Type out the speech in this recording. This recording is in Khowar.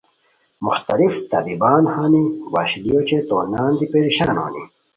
مختلف طبیبان ہانی وشلی اوچے تو نان دی پریشان ہونی